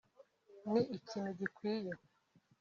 ni ikintu gikwiye